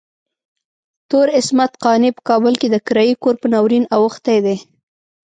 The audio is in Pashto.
تور عصمت قانع په کابل کې د کرايي کور په ناورين اوښتی دی.